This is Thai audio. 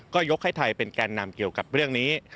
ก็ยกให้ไทยเป็นแก่นำเกี่ยวกับเรื่องนี้